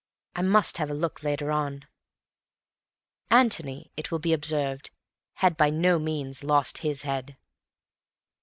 I must have a look later on." Antony, it will be observed, had by no means lost his head.